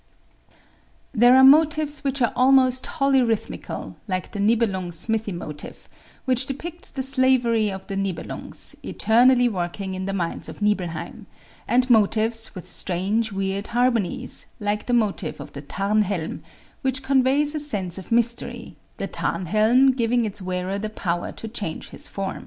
[Music illustration] There are motives which are almost wholly rhythmical, like the "Nibelung" Smithy Motive, which depicts the slavery of the Nibelungs, eternally working in the mines of Nibelheim; and motives with strange, weird harmonies, like the motive of the Tarnhelm, which conveys a sense of mystery, the Tarnhelm giving its wearer the power to change his form.